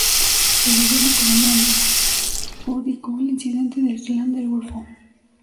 El gobierno colombiano adjudicó el incidente al "Clan del Golfo".